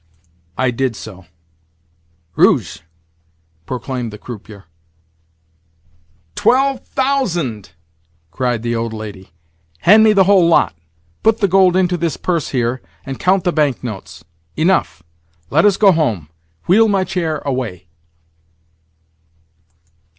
I did so. "Rouge!" proclaimed the croupier. "Twelve thousand!" cried the old lady. "Hand me the whole lot. Put the gold into this purse here, and count the bank notes. Enough! Let us go home. Wheel my chair away."